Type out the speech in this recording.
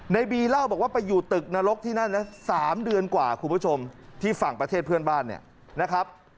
ในบีเล่าบอกว่าไปอยู่ตึกนรกที่นั่นนะ๓เดือนกว่าคุณผู้ชมที่ฝั่งประเทศเพื่อนบ้านเนี่ยนะครับ